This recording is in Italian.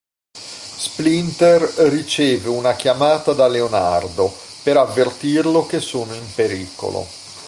Splinter riceve una chiamata da Leonardo, per avvertirlo che sono in pericolo.